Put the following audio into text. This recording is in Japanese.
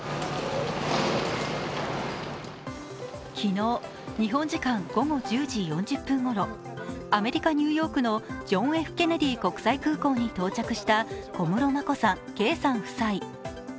昨日、日本時間午後１０時４０分頃、アメリカ・ニューヨークのジョン・Ｆ・ケネディ国際空港に到着した小室眞子さん・圭さん夫妻。